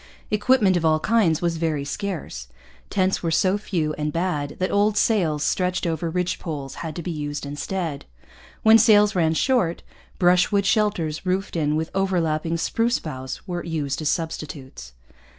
Equipment of all kinds was very scarce. Tents were so few and bad that old sails stretched over ridge poles had to be used instead. When sails ran short, brushwood shelters roofed in with overlapping spruce boughs were used as substitutes.